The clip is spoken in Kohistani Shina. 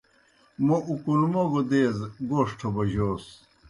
موْ اُکُنموگوْ دیز گوݜٹھہ بوجوس۔